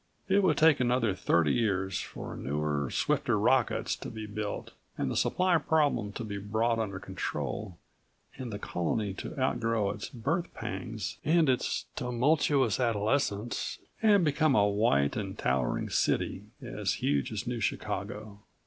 It would take another thirty years for newer, swifter rockets to be built and the supply problem to be brought under control and the colony to outgrow its birth pangs and its tumultuous adolescence and become a white and towering city, as huge as New Chicago.